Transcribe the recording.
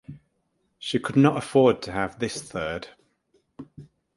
She could not afford to have this third.